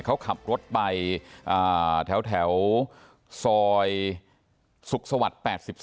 เขาขับรถไปแถวซอยสุขสวรรค์๘๒